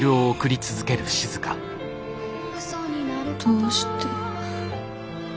どうして。